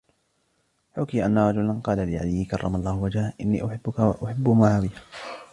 حُكِيَ أَنَّ رَجُلًا قَالَ لِعَلِيٍّ كَرَّمَ اللَّهُ وَجْهَهُ إنِّي أُحِبُّك وَأُحِبُّ مُعَاوِيَةَ